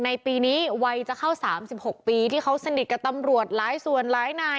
ในปีนี้วัยจะเข้า๓๖ปีที่เขาสนิทกับตำรวจหลายส่วนหลายนาย